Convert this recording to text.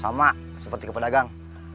sama seperti kepedagang